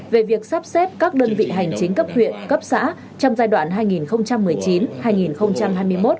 về việc sắp xếp các đơn vị hành chính cấp huyện cấp xã trong giai đoạn hai nghìn một mươi chín hai nghìn hai mươi một